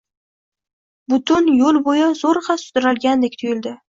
butun yoʻl boʻyi zoʻrgʻa sudralgandek tuyuldi.